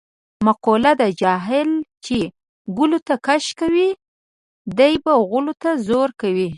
مقوله ده: جاهل چې ګلوته کش کوې دی به غولو ته زور کوي.